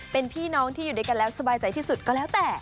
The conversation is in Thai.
เป็นพี่น้องที่อยู่ด้วยกันแล้วสบายใจที่สุดก็แล้วแต่